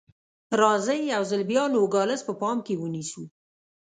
راځئ یو ځل بیا نوګالس په پام کې ونیسو.